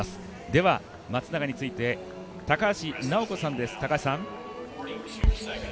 では、松永について高橋尚子さんです。